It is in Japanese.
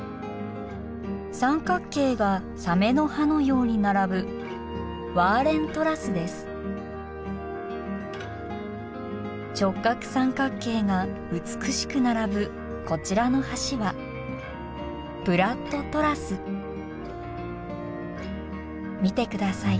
三角形がサメの歯のように並ぶ直角三角形が美しく並ぶこちらの橋は見てください